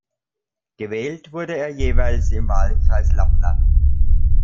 Gewählt wurde er jeweils im Wahlkreis Lappland.